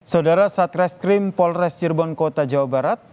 saudara satreskrim polres cirebon kota jawa barat